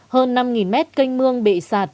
hơn năm m kênh mương bị sạt